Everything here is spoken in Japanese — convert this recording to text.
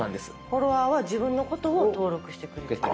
フォロワーは自分のことを登録してくれてる人。